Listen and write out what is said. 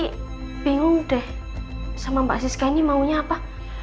saya bingung deh sama mbak siska ini maunya apa